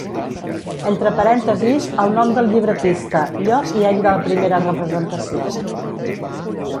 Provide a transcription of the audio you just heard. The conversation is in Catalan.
Entre parèntesis, el nom del llibretista, lloc i any de la primera representació.